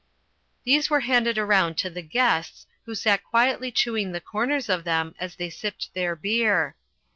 These were handed around to the guests, who sat quietly chewing the corners of them as they sipped their beer.